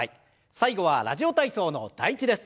最後は「ラジオ体操」の第１です。